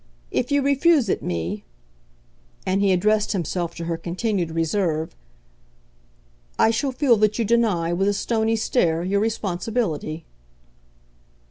If you refuse it me" and he addressed himself to her continued reserve "I shall feel that you deny, with a stony stare, your responsibility."